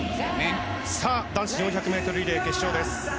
男子４００ｍリレー決勝です。